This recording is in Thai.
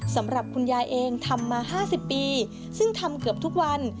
สำหรับคุณยายเองทำมา๕๐ปีซึ่งทำเกือบทุกวัน